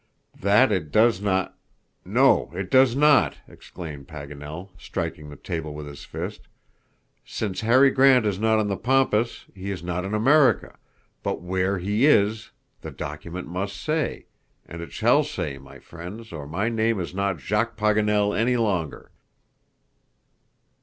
"That it does not no, it does not!" exclaimed Paganel, striking the table with his fist. "Since Harry Grant is not in the Pampas, he is not in America; but where he is the document must say, and it shall say, my friends, or my name is not Jacques Paganel any longer."